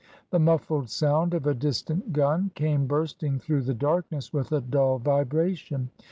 The muffled sound of a distant gun came bursting through the darkness with a dull vibration.